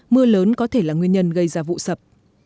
mưa lớn có thể là nguyên nhân gây ra vụ sập